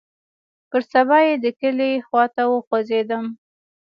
پر سبا يې د کلي خوا ته وخوځېدم.